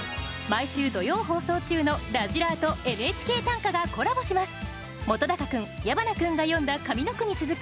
毎週土曜放送中の「らじらー！」と「ＮＨＫ短歌」がコラボします